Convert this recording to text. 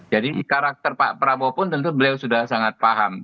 jadi karakter pak prabowo pun tentu beliau sudah sangat paham